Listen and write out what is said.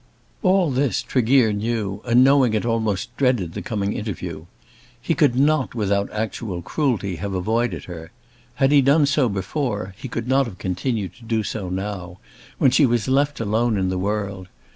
All this Tregear knew, and knowing it almost dreaded the coming interview. He could not without actual cruelty have avoided her. Had he done so before he could not have continued to do so now, when she was left alone in the world.